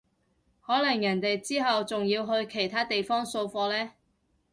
可能人哋之後仲要去其他地方掃貨呢